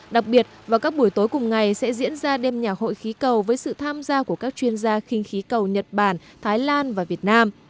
đặc biệt vào các buổi tối cùng ngày sẽ diễn ra đêm nhà hội khí cầu với sự tham gia của các chuyên gia kinh khí cầu nhật bản thái lan và việt nam